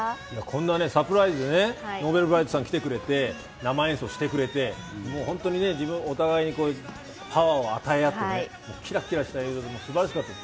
こんなサプライズ、Ｎｏｖｅｌｂｒｉｇｈｔさんが来てくれて生演奏してくれて、本当にお互いにパワーを与え合ってキラキラした映像で素晴らしかった。